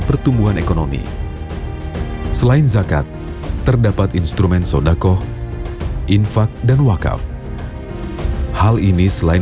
pertumbuhan ekonomi selain zakat terdapat instrumen sodakoh infak dan wakaf hal ini selain